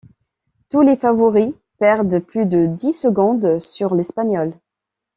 Tous les favoris perdent plus de dix secondes sur l'Espagnol.